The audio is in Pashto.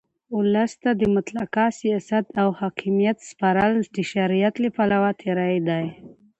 اولس ته د مطلقه سیاست او حاکمیت سپارل د شریعت له پلوه تېرى دئ.